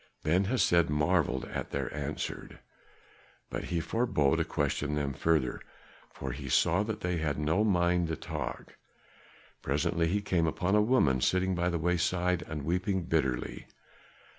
Ben Hesed marvelled at their answer, but he forbore to question them further, for he saw that they had no mind to talk. Presently he came upon a woman sitting by the wayside and weeping bitterly.